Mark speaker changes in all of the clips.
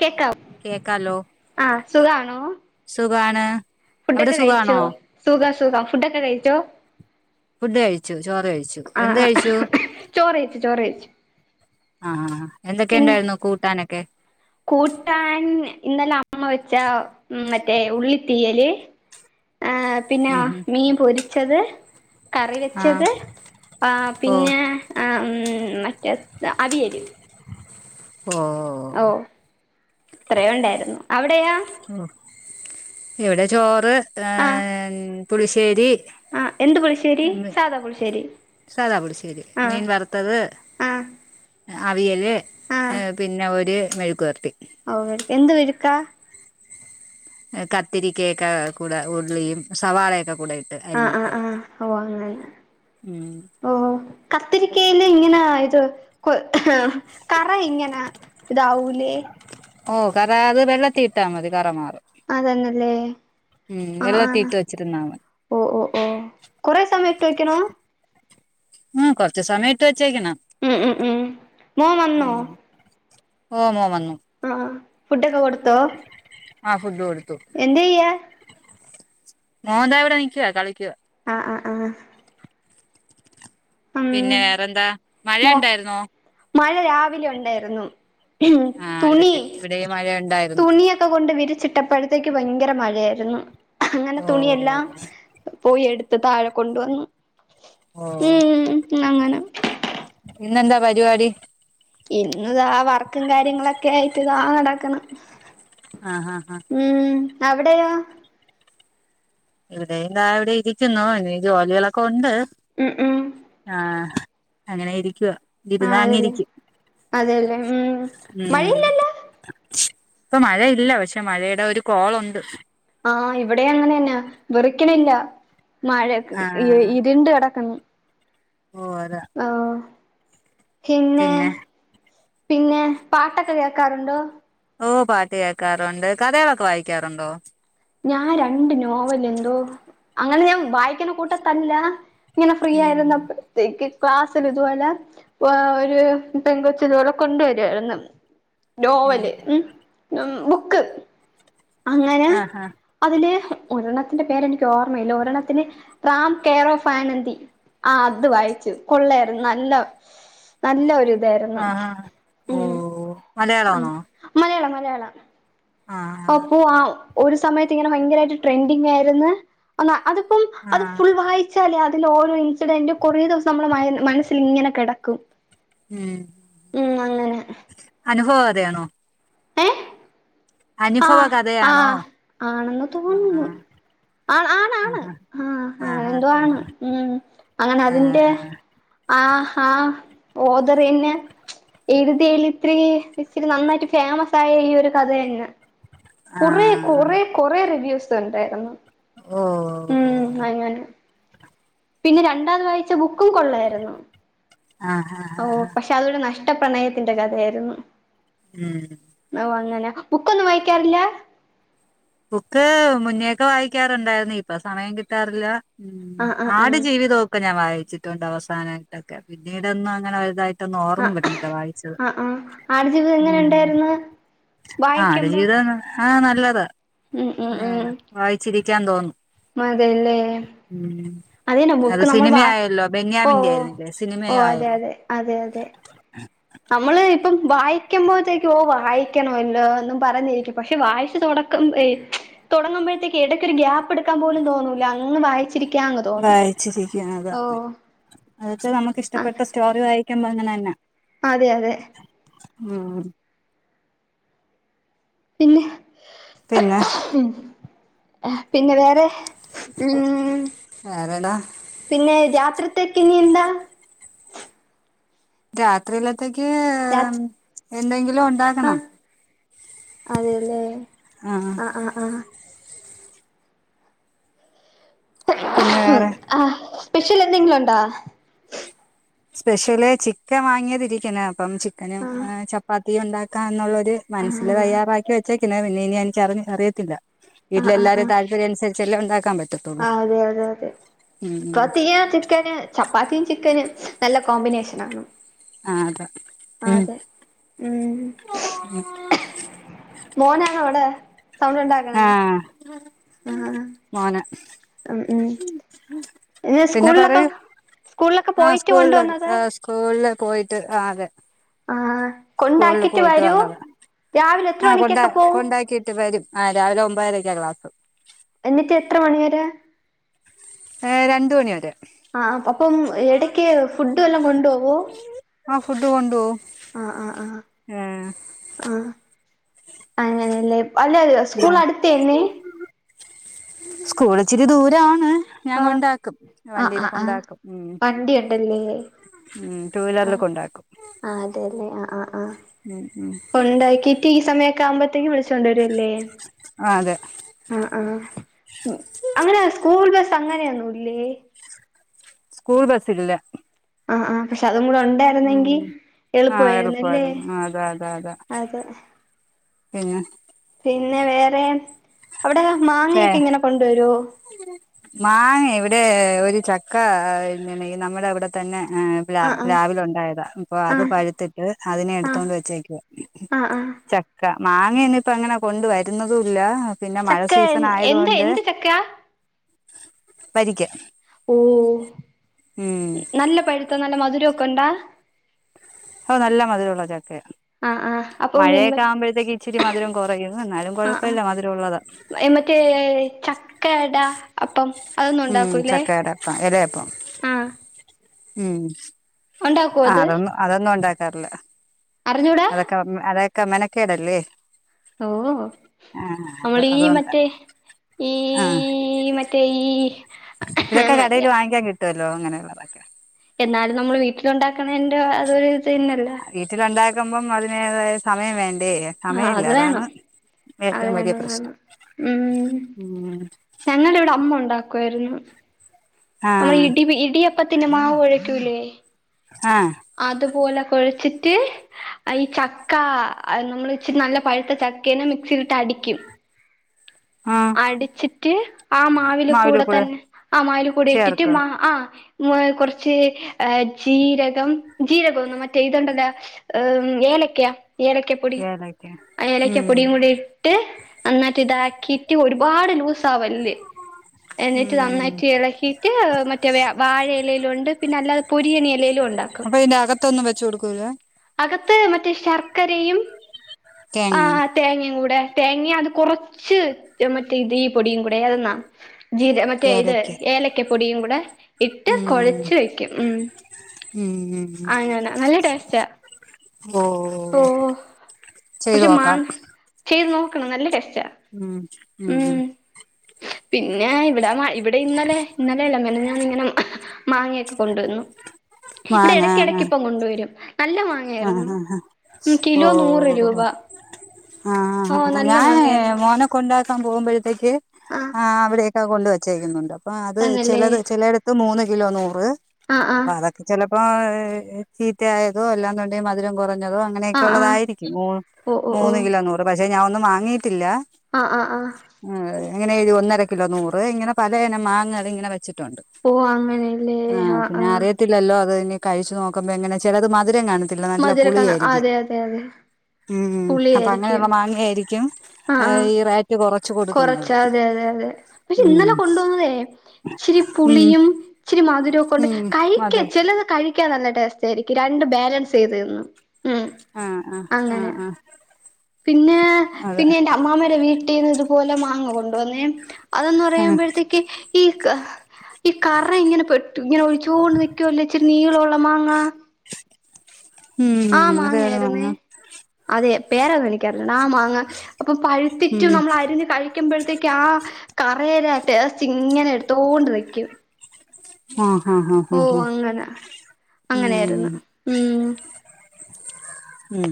Speaker 1: കേക്കാവോ
Speaker 2: കേക്കാലോ
Speaker 1: ആഹ് സുഖാണോ
Speaker 2: സുഖാണ് അവിടെ
Speaker 1: ഫുഡൊക്കെ കഴിച്ചോ
Speaker 2: സുഖാണോ
Speaker 1: സുഖം സുഖം ഫുഡൊക്കെ കഴിച്ചോ
Speaker 2: ഫുഡ് കഴിച്ചു ചോറ് കഴിച്ചു
Speaker 1: ആഹ്
Speaker 2: എന്ത്
Speaker 1: ആഹ്
Speaker 2: കഴിച്ചു
Speaker 1: ചോറ് കഴിച്ചു ചോറ് കഴിച്ചു
Speaker 2: ആ ആ എന്തൊക്കെ
Speaker 1: പിന്നെ
Speaker 2: ഉണ്ടായിരുന്നു കൂട്ടാനൊക്കെ
Speaker 1: കൂട്ടാൻ ഇന്നലെ അമ്മ വെച്ച മറ്റേ ഉള്ളി തീയല് ആ പിന്നെ
Speaker 2: ഉം ഉം
Speaker 1: മീൻ പൊരിച്ചത് കറി
Speaker 2: ആ
Speaker 1: വെച്ചത് ആ
Speaker 2: ഓ
Speaker 1: പിന്നെ മറ്റതെന്താ അവിയല്
Speaker 2: ഓഹോ
Speaker 1: ഓ ഇത്രയേം ഉണ്ടായിരുന്നു അവിടെയാ
Speaker 2: ഓ ഇവിടെ ചോറ്
Speaker 1: ആഹ്
Speaker 2: ഉം പുളിശ്ശേരി
Speaker 1: ആഹ് എന്ത് പുളിശ്ശേരി
Speaker 2: മീ
Speaker 1: സാധാ പുളിശ്ശേരി
Speaker 2: സദാപുളിശേരി
Speaker 1: ആഹ്
Speaker 2: മീൻ വറത്തത്
Speaker 1: ആഹ്
Speaker 2: അവിയല് പിന്നെ ഒരു മെഴുക്കുപെരട്ടി
Speaker 1: ഓ വിഴുകു എന്ത് വിഴുക്കാ
Speaker 2: കത്തിരിക്കൊക്കെ കൂടെ ഉള്ളിയും സവാളയൊക്കെ കൂടെ ഇട്ടത്
Speaker 1: ആഹ് ആഹ്
Speaker 2: അരിഞ്ഞിട്ടത്
Speaker 1: ആഹ് ഓ അങ്ങനെ
Speaker 2: ഉം
Speaker 1: ഓ കത്തിരിക്കയീല് ഇങ്ങനാ ഇത് കറ ഇങ്ങനെ ഇതാവൂലെ
Speaker 2: ഓഹ് കറ ആയത് വെള്ളത്തി ഇട്ടാ മതി കറമാറും
Speaker 1: അതന്നല്ലേ
Speaker 2: ഉം
Speaker 1: ആഹ് ആഹ്
Speaker 2: വെള്ളതീട്ട് വെച്ചിരുന്നാമതി
Speaker 1: ഓ ഓ ഓ കൊറേ സമയം ഇട്ടു വയ്ക്കണോ
Speaker 2: ഉം കൊർച്ച് സമയട്ട് വച്ചേക്കണം
Speaker 1: ഉം ഉം ഉം മോൻ വന്നോ
Speaker 2: ഓ മോൻ വന്നു
Speaker 1: ആഹ് ഫുഡ്ഡൊക്കെ കൊടുത്തോ
Speaker 2: ആഹ് ഫുഡ്ഡ് കൊടുത്തു
Speaker 1: എന്തെയ്യാ
Speaker 2: മോൻ ദാ ഇവിടെ നിക്കുവാ കളിക്കുവാ
Speaker 1: ആ ആ ആഹ് ഉം
Speaker 2: പിന്നെ വേറെന്താ
Speaker 1: മോ
Speaker 2: മഴയുണ്ടായിരുന്നോ
Speaker 1: മഴ രാവിലെ ഉണ്ടായിരുന്നു ഉം
Speaker 2: ആ
Speaker 1: തുണി
Speaker 2: ഇവിടെ ഇവിടെയും മഴ ഉണ്ടായിരുന്നു
Speaker 1: തുണിയൊക്- ക്കെ കൊണ്ട് വിരിച്ചിട്ടപ്പോഴത്തേക്ക് ഭയങ്കര മഴയായിരുന്നു അങ്ങനെ
Speaker 2: ഓ
Speaker 1: തുണിയെല്ലാം പോയി എട്ത്ത് താഴെ കൊണ്ടുവന്നു..
Speaker 2: ഓ
Speaker 1: ഉം ഹും. അങ്ങന..
Speaker 2: ഇന്നെന്താ പരിവാടി..
Speaker 1: ഇന്ന്താ. വർക്കും കാര്യങ്ങളൊക്കായിട്ട്. താ നടക്ണ്..
Speaker 2: ആ ഹാ ഹാ.
Speaker 1: ഉം. അവിടെയോ..
Speaker 2: ഇവിടെയും താ ഇവിടെ ഇരിക്കുന്നു. ഇനിയു ജോലികളൊക്കൊ ഉണ്ട്..
Speaker 1: ഉം ഉം
Speaker 2: ആഹ്. അങ്ങനെ ഇരിക്കുവ.. ഇരുന്ന
Speaker 1: ആണല്ലേ
Speaker 2: അങ്ങിരിക്കും.
Speaker 1: അതെല്ലേ ഉം
Speaker 2: ഉം.
Speaker 1: മഴയില്ലല്ലോ
Speaker 2: പ്പ മഴയില്ല. പക്ഷേ മഴയുടെ ഒരു കോളുണ്ട്..
Speaker 1: ആ. ഇവിടെ അങ്ങനെന്നാ. വെറിക്ക്ണില്ല.. മഴക്.
Speaker 2: ആ
Speaker 1: ഇ. ഇരിണ്ട് കെടക്ക്ന്ന്.
Speaker 2: കോര
Speaker 1: ആഹ്. പിന്നെ.. പിന്നെ പാട്ടൊക്ക കേക്കാറുണ്ടോ.
Speaker 2: ഓ പാട്ട് കേക്കാറുണ്ട്. കഥളൊക്കെ വായിക്കാറുണ്ടോ..
Speaker 1: ഞാ രണ്ട് നോവലെന്തോ, അങ്ങനെ ഞാൻ വായിക്കണ കൂട്ടത്തല്ല.. ഇങ്ങനെ ഫ്രീ
Speaker 2: ഉം
Speaker 1: ആയിരുന്നപ്പഴ്ത്തേക്. ക്ലാസ്സിലിത് പോലെ.. വാ ഒരുപെൺകൊച്ച്ത്പോലെ. കൊണ്ട് വരുവായിര്ന്നു.. നോവല്. ഉം. ഉം ബുക്ക്. അങ്ങനെ
Speaker 2: ആ, ഹാ..
Speaker 1: അതില് ഒരെണ്ണത്തിന്റെ പേരെനിക്ക് ഓർമ്മയില്ല. ഒരെണത്തിന്. റാം കെയറോഫ് ആനന്ദി. ആത് വായിച്ചു. കൊള്ളേര്ന്നു. നല്ലത.. നല്ലോര് ഇതായിരുന്നു.
Speaker 2: ആഹാ ഓ
Speaker 1: ഉം ഉം.
Speaker 2: മലയാളമാണോ
Speaker 1: മലയാളം മലയാളം..
Speaker 2: ആഹ്
Speaker 1: അപ്പൊ ആഹ് ഒരു സമയത്തിങ്ങനെ ഭയങ്കരായിട്ട് ട്രെൻഡിങയെര്ന്ന്, ആഹ് അത്.. പ്പം
Speaker 2: ആ
Speaker 1: അത് ഫുൾ വായിച്ചാല് അതിലോരോ ഇൻസിഡന്റും.. കൊറേ ദിവസംനമ്മളെ മയ് മനസ്സില്ങ്ങനെ കെടക്കും..
Speaker 2: ഉം. അനുഭവ കഥയാണോ..
Speaker 1: ഏ
Speaker 2: അനുഭവ
Speaker 1: ആഹ്
Speaker 2: കഥയാണോ
Speaker 1: ആഹ് ആണെന്ന്
Speaker 2: ആ ആ
Speaker 1: തോന്നു ആണ് ആണ് ആണ്
Speaker 2: ആഹാ
Speaker 1: ആഹ്
Speaker 2: ആഹാ
Speaker 1: ആരാ
Speaker 2: ആഹാ
Speaker 1: മ്മ്
Speaker 2: ആ
Speaker 1: അങ്ങനത്തിന്റെ ആഹ് ആഹ് ഓതറിന്നെ എഴുതിയൽ ഇത്തിരി ഇച്ചിരി നന്നായിട്ട് ഫേമസായ ഈ ഒരു കഥയന്നെ.
Speaker 2: ആ
Speaker 1: കുറേ, കൊറേ കൊറേ റിവ്യൂസ് ണ്ടേരുന്നു.
Speaker 2: ഓഹ് ഓഹ് ഓഹ്
Speaker 1: മ്ഹ് അങ്ങനെ. പിന്നെ രണ്ടാംത് വായിച്ച ബുക്കും. കൊള്ളായിരുന്നു..
Speaker 2: ആഹ് ആഹ്
Speaker 1: ഓഹ് പഷേ അതൊരു നഷ്ടപ്രണയത്തിന്റെ കഥയേര്ന്നു.
Speaker 2: മ്മ്ഹ്.
Speaker 1: നൗ അങ്ങന ബുക്കൊന്നും വായിക്കാറില്ല
Speaker 2: ബുക്ക് മുന്നേക് വായിക്കാറുണ്ടായിര്ന്നുഇപ്പൊ സമയം കിട്ടാറില്ല
Speaker 1: ആഹ് ആഹ് ആഹ്
Speaker 2: ആട് ജീവിതോക്കെ ഞാൻ വായിച്ചിട്ടുണ്ട് അവസാനട്ടൊക്കെ പിന്നീടൊന്നു അങ്ങനെ വെൽതായി ട്ടൊന്നും ഓർമും
Speaker 1: ആഹ്
Speaker 2: വരുന്നില്ല വായിച്ചത്
Speaker 1: ആഹ് ആഹ്
Speaker 2: മ്മ്ഹ്
Speaker 1: വായിക്യും
Speaker 2: ജീത ആ നല്ലതാ
Speaker 1: ഉം
Speaker 2: വായിച്ചിരിക്കാൻ തോന്നും.
Speaker 1: മതേല്ലേ
Speaker 2: ഉം
Speaker 1: അതെ
Speaker 2: അത്
Speaker 1: നമ്മുക്ക് നമ്മൾ. വാ.
Speaker 2: സിനിമയായല്ലോ
Speaker 1: ഓ ഓ
Speaker 2: ബെന്യാമിന്റെ ആയിരുന്നില്ലേ
Speaker 1: ഓ
Speaker 2: സിനിമയും
Speaker 1: അതെ,
Speaker 2: ആയല്ലോ
Speaker 1: അതെ, അതെ, അതെ.. നമ്മള് ഇപ്പം വായിക്കുമ്പോഴത്തേക്കും. ഓ വായിക്കണല്ലോ. എന്നും പറഞ്ഞിരിക്കും പഷേ വായിച്തോ തും ഏഹ് തുടങ്ങുമ്പോഴത്തേക്ക് ഇടക്കൊരു ഗ്യപ്പ്‌ എടുക്കാൻ പോലും തോന്നൂല്ല അങ്ങ് വായിച്ചിരി
Speaker 2: വായിച്ചിരിക്കണം അതാ എന്ന് വച്ചാ നമുക്ക്
Speaker 1: അ
Speaker 2: ഇഷ്ടപ്പെട്ട സ്റ്റോറി വായിക്കുമ്പോ അങ്ങനെന്നാ
Speaker 1: അതെ അതെ
Speaker 2: ഉം
Speaker 1: പിന്നെ
Speaker 2: പിന്നെ
Speaker 1: പിന്നെ വേറെ ഉം
Speaker 2: വേറെടാ
Speaker 1: പിന്നെ രാത്രിത്തെക്കിന്നിനി എന്താ
Speaker 2: രാത്രിയിലത്തേക്ക് എന്തെങ്കിലും ഉ
Speaker 1: ആഹ് അതല്ലേ ആഹ് ആഹ് ആഹ്
Speaker 2: പിന്നെ വേറെ
Speaker 1: ആഹ് സ്പെഷ്യലെന്തെങ്കിലും ഉണ്ടോ
Speaker 2: സ്പെഷ്യല് ചിക്കൻ വാങ്ങിയതിരിക്ക്ണെ അപ്പം ചിക്കനും
Speaker 1: ആ
Speaker 2: ചപ്പാത്തിയും ഉണ്ടാക്കാന്നുള്ള ട്
Speaker 1: ആ
Speaker 2: മനസ്ല് തയ്യാറാക്കി വെച്ചേക്കന്ന് പിന്നെ ഇനി എനിക്ക് അറിയത്തില്ല
Speaker 1: ആ
Speaker 2: വീട്ടില് എല്ലാരും താ അതിനനുസരിച്ചല്ലേ ഉണ്ടാക്കാൻ പറ്റു
Speaker 1: ആഹ് അതെ അതെ അതെ
Speaker 2: ഉം
Speaker 1: [unintelligible] ചിക്കന് ചപ്പാത്തിം ചിക്കന് നല്ല കോമ്പിനേഷനാണ്
Speaker 2: ആ അതെ ഉം
Speaker 1: അതെ ഉം മോനാണ് അവിടെ സൗണ്ട്ണ്ടാ
Speaker 2: ആഹ്
Speaker 1: ആഹ്
Speaker 2: മോന്
Speaker 1: ഉം ഉം
Speaker 2: പിന്നെ
Speaker 1: സ്കൂളിലൊക്കെ
Speaker 2: പറയൂ
Speaker 1: സ്കൂളിലൊക്കെ
Speaker 2: ആ
Speaker 1: പോയിട്ട്
Speaker 2: സ്കൂളില്
Speaker 1: കൊണ്ടുവന്നതാ
Speaker 2: സ്കൂളില് പോയിട്ട് ആ അതെ
Speaker 1: ആ
Speaker 2: സ്കൂളിൽ
Speaker 1: കൊണ്ടാക്കിട്ട്
Speaker 2: പോയിട്ട്
Speaker 1: വരൂ
Speaker 2: വന്നത്
Speaker 1: രാവിലെ എത്ര
Speaker 2: ആഹ് കൊണ്ട
Speaker 1: മണിക്കൊക്കെ പോവും
Speaker 2: കൊണ്ടാക്കിട്ട് വരും ആ രാവിലെ ഒമ്പതരക്ക ക്ലാസ്
Speaker 1: എന്നിട്ട് എത്ര മണിവരെ
Speaker 2: ഏ രണ്ട് മണി വരെ
Speaker 1: ആ അപ്പം ഇടക്ക് ഫുഡ് എല്ലാം കൊണ്ടുപോവോ
Speaker 2: ആഹ് ഫുഡ് കൊണ്ടുപോവും
Speaker 1: ആഹ് ആഹ് ആഹ് ആഹ് അങ്ങനെയല്ലേ അല്ലല്ല
Speaker 2: സ്കൂളച്ചിരി ദൂരാണ് ഞാൻ
Speaker 1: ആ
Speaker 2: കൊണ്ടാക്കും
Speaker 1: ആ
Speaker 2: വണ്ടിയിൽ
Speaker 1: ആ ആ
Speaker 2: കൊണ്ടാക്കും ഉം
Speaker 1: വണ്ടി ഉണ്ടല്ലേ
Speaker 2: ഉം ടു വീലറിൽ
Speaker 1: ആഹ്
Speaker 2: കൊണ്ടാക്കും
Speaker 1: ആഹ് അതെല്ലേ ആഹ് ആഹ് ആഹ്
Speaker 2: ഉം ഉം
Speaker 1: ഉണ്ടാക്കിട്ട് ഈ സമയൊക്കെ ആവുമ്പോത്തേക്കും വിളിച്ചോണ്ടരുല്ലേ
Speaker 2: ആ അതെ
Speaker 1: ആഹ് ആഹ് അങ്ങനെ സ്കൂൾ ബസ് അങ്ങനെയൊന്നുല്ലേ
Speaker 2: സ്കൂൾ ബസ്സില്ല
Speaker 1: ആഹ് ആഹ് പക്ഷെ അതും കൂടെ ഉണ്ടേ
Speaker 2: ഉം ആഹ് എളുപ്പാരുന്നു ആഹ് അതാ അതാ അതാ
Speaker 1: അതെ
Speaker 2: പിന്നെ
Speaker 1: പിന്നെ വേറെ അവിടെ
Speaker 2: ഏ
Speaker 1: മാങ്ങയൊക്കെ ഇങ്ങനെ കൊണ്ടുവരോ
Speaker 2: മാങ്ങ ഇവിടെ ഒരു ചക്ക ഇങ്ങനെ നമ്മുടെ ഇവിടെ തന്നെ ആഹ് പ്ല പ്ലാവിൽ ഉണ്ടായതാ അപ്പൊ
Speaker 1: ആഹ്
Speaker 2: അത്
Speaker 1: ആഹ്
Speaker 2: പഴുത്തിട്ട് അതിനെ
Speaker 1: ആഹ്
Speaker 2: എടുത്തൊണ്ട് വെച്ചേക്കുവ
Speaker 1: ആഹ് ആഹ്
Speaker 2: ചക്ക മാങ്ങന്നെ ഇപ്പ അങ്ങനെ കൊണ്ട് വരുന്നതുല്ല പിന്നെ മഴ
Speaker 1: ചക്ക
Speaker 2: സീസൺ
Speaker 1: എന്ത്
Speaker 2: ആയതുകൊണ്ട്
Speaker 1: എന്ത് ചക്ക
Speaker 2: പരിക്ക്
Speaker 1: ഓ നല്ല പഴുത്ത നല്ല മധുരമൊക്കെ ഉണ്ടാ
Speaker 2: ഓ നല്ല മധുരമുള്ള ചക്കയ
Speaker 1: ആഹ് ആഹ് അപ്പൊ
Speaker 2: മഴയൊക്കെ ആവുമ്പോഴത്തേക്ക് ഇച്ചിരി മധുരം കുറയും എന്നാലും കുഴപ്പല്ല മധുരംഉള്ളതാ
Speaker 1: എന്നിട്ട് ചക്കയട അപ്പം അതൊന്നും ഉണ്ടാക്കൂല്ലേ
Speaker 2: എപ്പങ്കിലും എപ്പോ
Speaker 1: ആഹ്
Speaker 2: ഉം
Speaker 1: ഉണ്ടാക്കോ അത്
Speaker 2: അതൊന്നും അതൊന്നും ഉണ്ടാക്കാറില്ല
Speaker 1: അറിഞ്ഞൂടാ
Speaker 2: അതെക്ക മെനക്കേടല്ലേ
Speaker 1: ഓഹ്
Speaker 2: ആ അത്
Speaker 1: നമ്മളീ
Speaker 2: അതുകൊണ്ടാ
Speaker 1: മറ്റേ ഈ
Speaker 2: ആ
Speaker 1: ഈഹ് മറ്റേ ഈ
Speaker 2: ഇതൊക്കെ കടയില വാങ്ങിക്കാൻ കിട്ടുവല്ലോ അങ്ങനെയുള്ളതൊക്കെ
Speaker 1: എന്നാലും നമ്മള് വീട്ടില്ണ്ടാക്കുന്നതിന്റെ അതൊരു ഇത് ന്നെല്ലെ
Speaker 2: വീട്ടിലുണ്ടാക്കുമ്പം അതിന്റെതായ സമയം വേണ്ടേ
Speaker 1: ആ
Speaker 2: സമയമില്ല
Speaker 1: അത്
Speaker 2: അതാണ്
Speaker 1: വേണം അത്
Speaker 2: ഏറ്റവും വലിയ
Speaker 1: വേണം
Speaker 2: പ്രശ്നം
Speaker 1: മ്
Speaker 2: ഉം
Speaker 1: ഞങ്ങടെവിടെ അമ്മ ഉണ്ടാക്കുവായിരുന്നു
Speaker 2: ആ
Speaker 1: നമ്മൾ ഇടി ഇടിയ പ്പത്തിന് മാവ് കൊഴക്കൂലേ
Speaker 2: ആഹ്
Speaker 1: അതുപോലെ കൊഴച്ചിട്ട് അയ് ചക്ക നമ്മള് ഇച്ചിര് നല്ലെ പഴുത്ത ചക്കേനെ മിക്സിയിലിട്ട് അടിക്കും
Speaker 2: ആഹ്
Speaker 1: അടിച്ചിട്ട് ആ മാവില് കൂടെ തന്നെ ആ മാവിൽ കൂടെ ഇട്ടിട്ട്
Speaker 2: ചേർക്കും
Speaker 1: ആഹ് മ് കൊറ്ച്ച് അ ജീരകം, ജീരകം ഒന്നും മറ്റേ ഇത്ണ്ടല്ല ഹ് മ്ഏലക്ക ഏലക്യാ പൊടി
Speaker 2: ഏലക്ക
Speaker 1: ഏലെക്ക
Speaker 2: ഉം
Speaker 1: പൊടിയും കൂടിയും ഇട്ട് ഒന്നാകിതാക്കി ഒരുപാട് ലൂസ് ആവല്ലേ എന്നിറ്റ്
Speaker 2: ഉം
Speaker 1: നന്നായിട്ട് ഇളക്കിട്ട് മറ്റേ വാഴ ഇലയിലുണ്ട് പിന്നെ അല്ലാ പുരിയെണി എലയിലും ഉണ്ടാക്കും
Speaker 2: അപ്പൊ അയ്ന്റെ അകത്തൊന്നും വെച്ച് കൊടുക്കൂലാ
Speaker 1: അകത്ത് മറ്റേ ശർക്കരയും
Speaker 2: തേങ്ങയും
Speaker 1: തേങ്ങെയും കൂടെ തേങ്ങേം അത് കൊറച്ച് മറ്റേ ഇത് ഈ പൊടിയും കൂടെ ഏതെന്നാ ജീര മറ്റേ ഇത്
Speaker 2: ഏലക്ക
Speaker 1: ഏലക്ക പൊടിയും കൂടെ ഇട്ട്
Speaker 2: ഉം
Speaker 1: കൊഴച്ച് വെയ്ക്ക്യും ഉം
Speaker 2: ഉം
Speaker 1: അങ്ങനെ നല്ലെ ടേസ്റ്റാ
Speaker 2: സ്മോ
Speaker 1: ഓഹ് പക്ഷെ മാൻത ചെയ്ത് നോക്കണം നല്ലെ ടെസ്റ്റാ
Speaker 2: ഉം
Speaker 1: ഉം പിന്നെ ഇവടെ ഇവിടെ ഇന്നലെ ഇന്നലെല്ല മെനഞ്ഞാന്ന്ങ്ങനെ മാങ്ങെക്കേ കൊണ്ടുവന്നു, ഇവിടെ എടക്ക് എടക്ക് ഇപ്പം കൊണ്ടുവരും നല്ല
Speaker 2: ആഹ്
Speaker 1: മാങ്ങയായിരുന്നു
Speaker 2: ആഹ്
Speaker 1: ഉം കിലോ
Speaker 2: ഓഹ്
Speaker 1: നൂറ് രൂപ
Speaker 2: ഓഹ് ഹ്
Speaker 1: ഓ
Speaker 2: ആഹ്
Speaker 1: നല്ല
Speaker 2: ഞായ്
Speaker 1: മാങ്ങയായിരുന്നു
Speaker 2: മോനേ കൊണ്ടേക്കാൻ പോകുമ്പോഴത്തേക്ക
Speaker 1: ആഹ്
Speaker 2: അവിടെയക്കെ കൊണ്ട് വെച്ചേക്കുന്നുണ്ട് അപ്പ അത്
Speaker 1: തന്നല്ലേ
Speaker 2: ചെലത് ചെലേയിടത്ത് മൂന്ന് കിലോ നൂറ്
Speaker 1: ആഹ് ആഹ്
Speaker 2: അപ്പൊ അതെ ക്കെ ചെലപ്പോ ചീത്തയായതോ എല്ലാ ന്നുണ്ടെങ്കി മധുരം കൊറഞ്ഞതോ അങ്ങനെയൊക്കെ
Speaker 1: ആഹ് ആഹ്
Speaker 2: ഉള്ളതായിരിക്കും മൂ
Speaker 1: ഓ ഓ ഓ
Speaker 2: മൂന്ന് കിലോ നൂറ് പക്ഷെ ഞാനൊന്നും വാങ്ങിയിട്ടില്ല
Speaker 1: അ അ ആഹ്
Speaker 2: ആഹ് അങ്ങനെ എഴുതി ഒന്നെര കിലോ നൂറ് ഇങ്ങെനെ പലെ ഇനം മാങ്ങ ഇങ്ങനെ വെച്ചിട്ടുണ്ട്
Speaker 1: ഓ അങ്ങനെയല്ലേ
Speaker 2: ആ
Speaker 1: ആഹ്
Speaker 2: പിന്നെ
Speaker 1: ആഹ്
Speaker 2: അറിയത്തില്ലല്ലോ അത് ഇനി കഴിച്ചു നോക്കുമ്പോ എങ്ങനെ ചെലത് മധുരം കാണ് ത്തില്ല നല്ലെ
Speaker 1: മധുരക്കണ
Speaker 2: പുളിയായിരിക്കും
Speaker 1: അതെ അതെ അതെ
Speaker 2: ഉം അപ്പ
Speaker 1: പുളിയായിരിക്കും
Speaker 2: അങ്ങനെയുള്ള മാങ്ങെ ആയിരിക്കും
Speaker 1: ആഹ് ആഹ്
Speaker 2: ഈറെ
Speaker 1: കൊറച്ച അതെ അതെ തെ പക്ഷെ
Speaker 2: ഉം
Speaker 1: ഇന്നല്ലെ കൊണ്ട് വന്നതേ ഇച്ചിരി
Speaker 2: ഉം
Speaker 1: പുളിയും ഇച്ചിരി മധുരവും കൊണ്ട്
Speaker 2: ഉം അത്
Speaker 1: കഴിക്കാൻ ചെലത് കഴിക്കാൻ നല്ല ടേസ്റ്റ് ആയിരിക്കും രണ്ട് ബാലൻസ് ചെയ്തെന്നു
Speaker 2: ആഹ് ആ ആഹ് ആ
Speaker 1: പിന്നെ പിന്നെ എന്റെ- അമ്മാമടെ വീട്ടീന്ന് ഇതുപോലെ മാങ്ങ കൊണ്ട് വന്നേ അതന്ന്
Speaker 2: ആഹ്
Speaker 1: പറയുമ്പോഴത്തേക്ക് ഈക ഈ കറ ഇങ്ങനെ പെട്ടു ഇങ്ങനെ ഒഴിച്ചോണ്ട് നിക്കുവല്ലേ ഇച്ചിരി നീളള്ള മാങ്ങ
Speaker 2: ശ്
Speaker 1: ആ മാങ്ങയായിരുന്നേ അതെ പേരൊന്നെനിക്കറില്ലാ ആഹ് മാങ്ങ അപ്പൊ
Speaker 2: ഉം
Speaker 1: പഴുത്തിറ്റും നമ്മളരിഞ്ഞ്കഴി ക്കുമ്പഴ്ത്തേക്കാ ആഹ് കറരാടേസ്റ്റിങ്ങനെട്ത്തോണ്ടിരിയ്ക്കും
Speaker 2: ആഹ് ആഹ് ആഹ് ആഹ്
Speaker 1: അങ്ങനെ അങ്ങനെയായിരുന്നു
Speaker 2: ഉം
Speaker 1: ഉം
Speaker 2: ഉം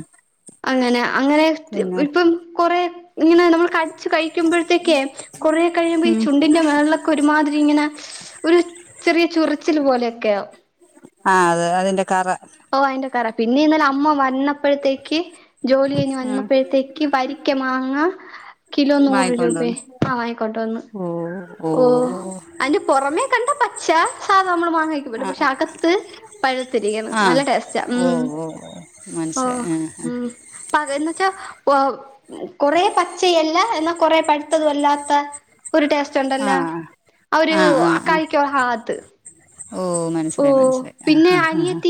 Speaker 1: അങ്ങനെ അങ്ങനെ
Speaker 2: പിന്നെ
Speaker 1: ഇപ്പം കൊറേ ഇങ്ങനെ നമ്മൾ ച്ച് കഴിക്കുമ്പോഴ്ത്തേക്കയ് കുറേ കഴിയുമ്പോ ഈ
Speaker 2: ഉം
Speaker 1: ചുണ്ടിന്റെ മേൾല് ക്കൊരുമാതിരിങ്ങന ഒരു ചെറിയ ചൊറിച്ചില് പോലെക്കെയാവും
Speaker 2: ആഹ് അതെ അതിന്റെ കറ
Speaker 1: ഓഹ് അയ്ന്റെ കറാ പിന്നെന്നലമ്മ വന്നപ്പഴ്ത്തേക്ക് ജോലി കഴിഞ്ഞ്
Speaker 2: ഉം
Speaker 1: വന്നപ്പെഴ്ത്തേക്ക് വരിക്ക മാങ്ങ കിലോ നൂറ്
Speaker 2: വാങ്ങിക്കൊണ്ട്
Speaker 1: രൂപയെ
Speaker 2: വന്ന്
Speaker 1: ആ വാങ്ങിക്കോണ്ട് വന്ന്
Speaker 2: ഓ ഓ
Speaker 1: ഓഹ് അയ്ന്റെ പൊറമേ കണ്ടാ പ ച്ച സാധ നമ്മള് മാങ്ങ കയ്‌ക്കുംമ്പോലെ
Speaker 2: ആ
Speaker 1: പക്ഷെ അകത്ത് പഴുത്തിരിക്കുന്നു നല്ല ടേസ്റ്റാ ഉം
Speaker 2: ഓ ഓ മനസ്സിലായ് ആഹ് ആഹ്
Speaker 1: പകന്നെച്ചാ കൊ കൊറേ പച്ചയല്ല എന്നാ കൊറെ പഴ്ത്തതു അല്ലാത്ത ച്ചണ്ടല്ലോ
Speaker 2: ആഹ്
Speaker 1: ആ ഒരു അക്ക ഇക്ക ഹാത്ത്
Speaker 2: ഓഹ് മനസ്സിലായ്‌ മനസ്സിലായ്‌ ആഹ് ആഹ് ആഹ്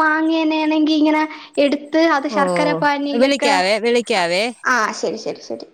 Speaker 1: മാങ്ങേനേണെങ്കിങ്ങനെ എട്ത്ത് അത്
Speaker 2: ഓ
Speaker 1: ശർക്കരപ്പാനിയിലൊക്കെ
Speaker 2: വിളിക്കാവേ വിളിക്കാവേ
Speaker 1: ആഹ് ശരി ശരി ശരി